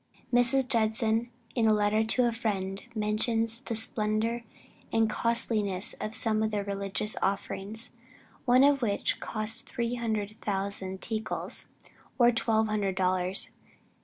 Mrs. Judson in a letter to a friend, mentions the splendor and costliness of some of the religious offerings, one of which cost three thousand tickals, or twelve hundred dollars.